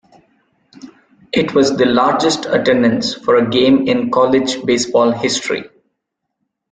It was the largest attendance for a game in college baseball history.